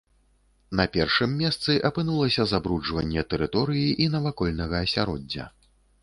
На першым месцы апынулася забруджванне тэрыторыі і навакольнага асяроддзя.